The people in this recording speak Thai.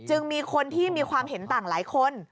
มีคนที่มีความเห็นต่างหลายคน